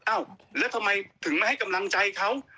อ้าวแล้วทำไมถึงไม่ให้กำลังใจเขา